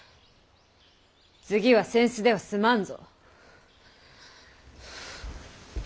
次は扇子では済まんぞ。